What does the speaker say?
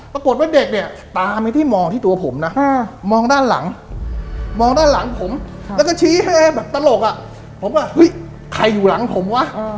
ปรากฏว่าเด็กเนี่ยตามไปที่มองที่ตัวผมนะมองด้านหลังมองด้านหลังผมแล้วก็ชี้ให้แบบตลกอ่ะผมว่าเฮ้ยใครอยู่หลังผมวะ